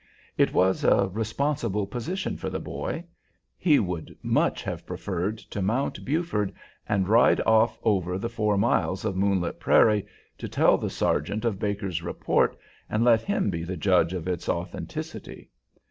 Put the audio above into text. It was a responsible position for the boy. He would much have preferred to mount Buford and ride off over the four miles of moonlit prairie to tell the sergeant of Baker's report and let him be the judge of its authenticity.